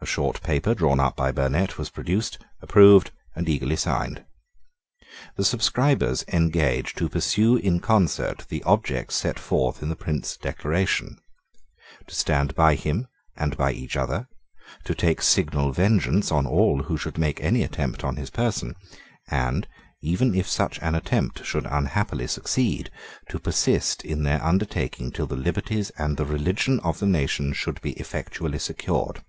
A short paper drawn up by Burnet was produced, approved, and eagerly signed. The subscribers engaged to pursue in concert the objects set forth in the Prince's declaration; to stand by him and by each other; to take signal vengeance on all who should make any attempt on his person; and, even if such an attempt should unhappily succeed, to persist in their undertaking till the liberties and the religion of the nation should be effectually secured.